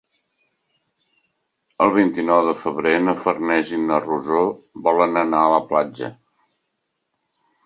El vint-i-nou de febrer na Farners i na Rosó volen anar a la platja.